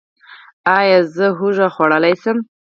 ایا زه هوږه خوړلی شم؟